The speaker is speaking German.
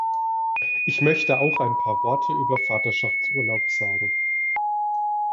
Ich möchte auch ein paar Worte über Vaterschaftsurlaub sagen.